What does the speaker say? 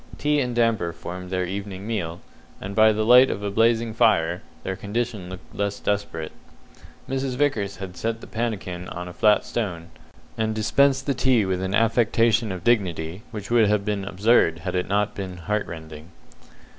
Tea and damper formed their evening meal; and by the light of a blazing fire, their condition looked less desperate. Mrs. Vickers had set the pannikin on a flat stone, and dispensed the tea with an affectation of dignity which would have been absurd had it not been heart rending.